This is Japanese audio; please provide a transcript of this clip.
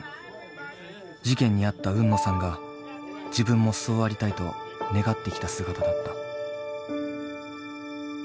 事件に遭った海野さんが自分もそうありたいと願ってきた姿だった。